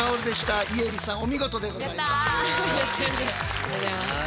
ありがとうございます。